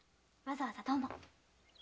わざわざどうも。